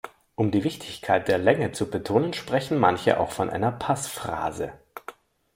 Um die Wichtigkeit der Länge zu betonen, sprechen manche auch von einer Passphrase.